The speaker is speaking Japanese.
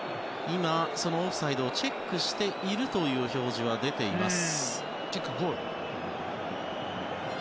今、オフサイドをチェックしているという表示は出ています。